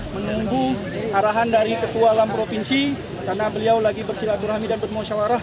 menunggu arahan dari ketua enam provinsi karena beliau lagi bersilaturahmi dan bermusyawarah